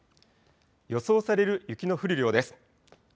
予想される雪の降る量です。